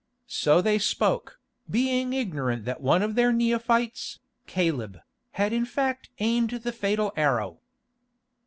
So they spoke, being ignorant that one of their neophytes, Caleb, had in fact aimed the fatal arrow.